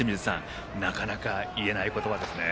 なかなかいえない言葉ですね。